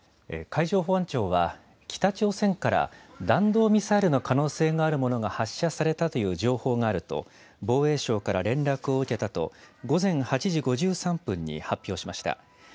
海上保安庁は、北朝鮮から弾道ミサイルの可能性のあるものが発射されたという情報があると、防衛省から連絡を受けたと、午前８時５３分に発表しました。